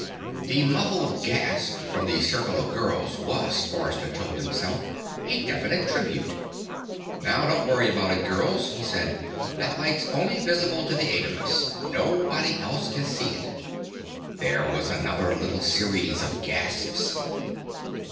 The muffled gasp from the circle of girls was, Forrester told himself, a definite tribute. "Now don't worry about it, girls," he said. "That light's only visible to the eight of us. Nobody else can see it." There was another little series of gasps.